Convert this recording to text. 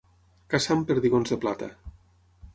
Caçar amb perdigons de plata.